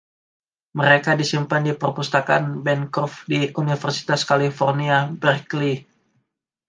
Mereka disimpan di Perpustakaan Bancroft di Universitas California, Berkeley.